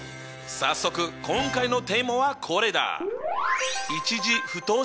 早速今回のテーマはこれだ。